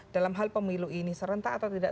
dalam hal pemilu ini serentak atau tidak